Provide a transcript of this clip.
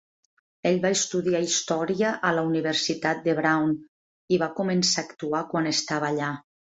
Ell va estudiar història a la Universitat de Brown, i va començar a actuar quan estava a allà.